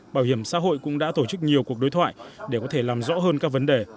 bảo hiểm xã hội cũng đã tổ chức nhiều cuộc đối thoại để có thể làm rõ hơn các vấn đề